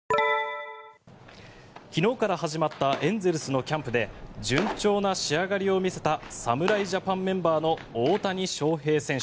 昨日から始まったエンゼルスのキャンプで順調な仕上がりを見せた侍ジャパンメンバーの大谷翔平選手。